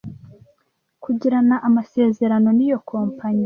Kugirana amasezerano n’iyo kompanyi